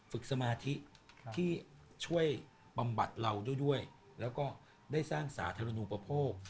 สมาธิที่ช่วยบำบัดเราด้วยแล้วก็ได้สร้างสาธารณูปโภค